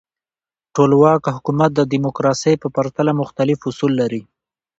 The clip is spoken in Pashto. ټولواک حکومت د دموکراسۍ په پرتله مختلف اصول لري.